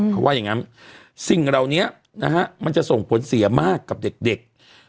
เขาว่าอย่างนั้นสิ่งเหล่านี้นะฮะมันจะส่งผลเสียมากกับเด็ก